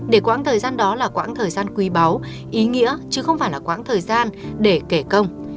để quãng thời gian đó là quãng thời gian quý báu ý nghĩa chứ không phải là quãng thời gian để kể công